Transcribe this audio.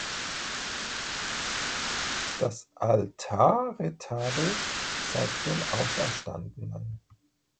Das Altarretabel zeigt den Auferstandenen.